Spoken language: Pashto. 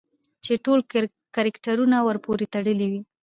چې ټول کرکټرونه ورپورې تړلي وي